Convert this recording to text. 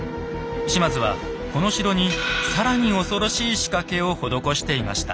島津はこの城に更に恐ろしい仕掛けを施していました。